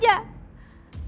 tidak ada apa apa